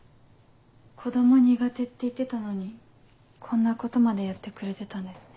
子供苦手って言ってたのにこんなことまでやってくれてたんですね。